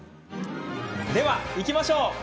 では、いきましょう！